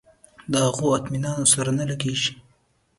د هغو اطمینانونو سره نه لګېږي.